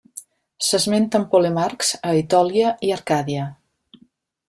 S'esmenten polemarcs a Etòlia i Arcàdia.